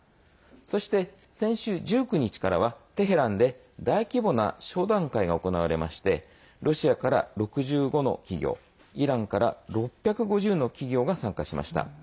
そして、先週１９日からはテヘランで大規模な商談会が行われましてロシアから６５の企業イランから６５０の企業が参加しました。